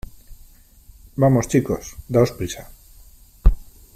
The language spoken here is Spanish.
¡ vamos , chicos !¡ daos prisa !